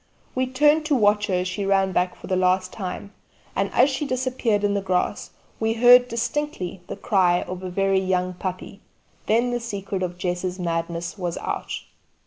We turned to watch her as she ran back for the last time, and as she disappeared in the grass we heard distinctly the cry of a very young puppy. Then the secret of Jess's madness was out.